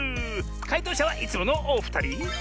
かいとうしゃはいつものおふたり。